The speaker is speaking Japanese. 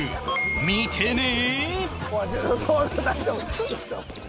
見てね！